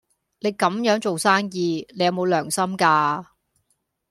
你咁樣做生意，你有冇良心㗎？